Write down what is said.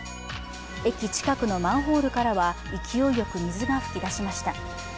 駅近くのマンホールからは勢いよく水が噴き出しました。